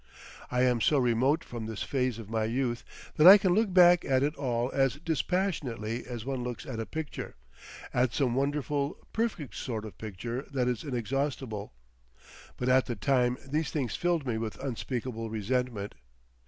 I am so remote from this phase of my youth that I can look back at it all as dispassionately as one looks at a picture—at some wonderful, perfect sort of picture that is inexhaustible; but at the time these things filled me with unspeakable resentment.